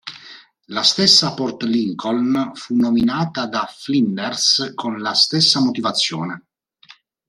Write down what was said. La stessa Port Lincoln fu nominata da Flinders con la stessa motivazione.